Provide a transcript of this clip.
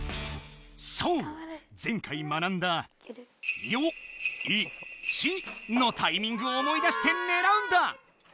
そう前回学んだ「ヨイチ」のタイミングを思い出して狙うんだ！